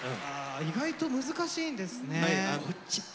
意外と難しいんですね。